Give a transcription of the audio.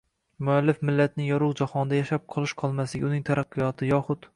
Muallif millatning yorug' jahonda yashab qolish-qolmasligi, uning taraqqiyoti yoxud